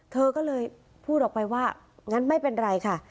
เธอก็เลยพูดออกไปว่างั้นไม่เป็นไรค่ะ